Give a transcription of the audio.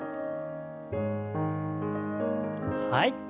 はい。